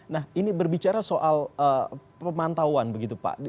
nah ini berbicara soal pemantauan begitu pak